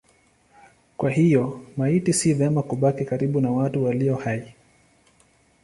Kwa hiyo maiti si vema kubaki karibu na watu walio hai.